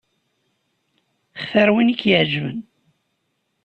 Xtir win i k-iɛeǧben.